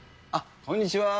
こんにちは。